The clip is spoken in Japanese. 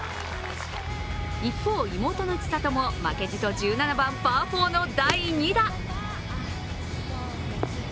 一方、妹の千怜も負けじと１７番パー４の第２打。